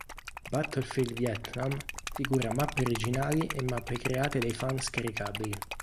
Battlefield Vietnam figura mappe originali e mappe create dai fan scaricabili.